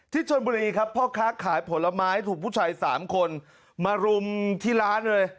ชนบุรีครับพ่อค้าขายผลไม้ถูกผู้ชาย๓คนมารุมที่ร้านเลย